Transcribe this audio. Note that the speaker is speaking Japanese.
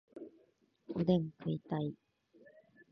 おでん食いたい